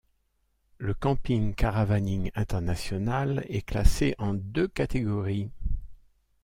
Le Camping - Caravanning international est classé en deux catégories.